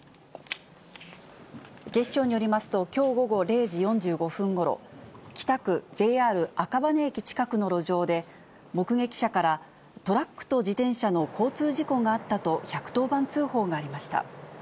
警視庁によりますと、きょう午後０時４５分ごろ、北区ＪＲ赤羽駅近くの路上で、目撃者から、トラックと自転車の交通事故があったと１１０番通報がありました。